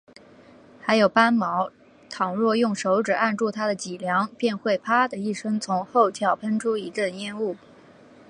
还有斑蝥，倘若用手指按住它的脊梁，便会啪的一声，从后窍喷出一阵烟雾